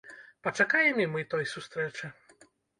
Пачакаем і мы той сустрэчы.